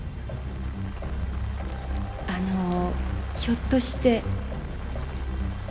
あのひょっとして。